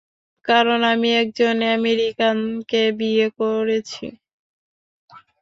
কারণ আমি একজন আমেরিকানকে বিয়ে করেছি।